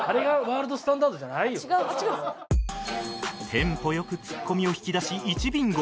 テンポ良くツッコミを引き出し１ビンゴ